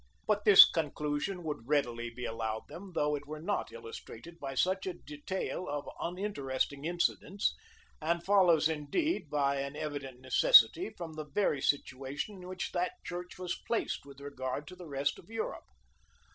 [*] But this conclusion would readily be allowed them, though it were not illustrated by such a detail of uninteresting incidents; and follows indeed, by an evident necessity, from the very situation in which that church was placed with regard to the rest of Europe.